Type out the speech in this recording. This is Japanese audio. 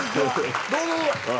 どうぞどうぞ。